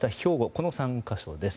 この３か所です。